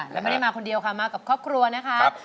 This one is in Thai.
แล้วไม่ได้มาคนเดียวค่ะมากับครอบครัวนะครับ